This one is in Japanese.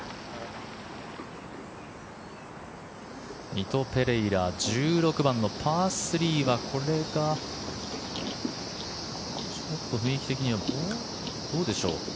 ミト・ペレイラ１６番のパー３はこれがちょっと雰囲気的にはどうでしょう。